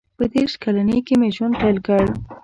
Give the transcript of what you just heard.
• په دېرش کلنۍ کې مې ژوند پیل کړ.